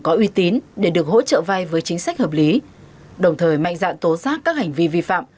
có uy tín để được hỗ trợ vai với chính sách hợp lý đồng thời mạnh dạng tố xác các hành vi vi phạm